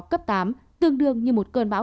cấp tám tương đương như một cơn bão